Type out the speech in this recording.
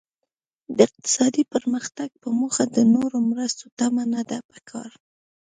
د اقتصادي پرمختګ په موخه د نورو مرستو تمه نده پکار.